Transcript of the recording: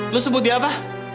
lo sebut dia apa